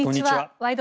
「ワイド！